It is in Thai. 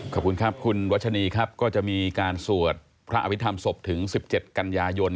ขอบคุณครับคุณรัชนีครับก็จะมีการสวดพระอภิษฐรรมศพถึง๑๗กันยายน